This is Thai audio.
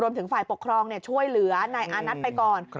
ถึงฝ่ายปกครองช่วยเหลือนายอานัทไปก่อน